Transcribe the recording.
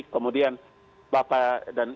kemudian bapak dan